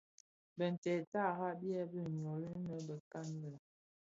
Binted tara byèbi nyoli inë bekan lè.